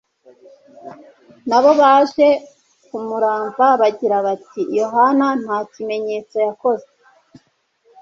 na bo baje kumuramva bagira bati: "Yohana nta kimenyetso yakoze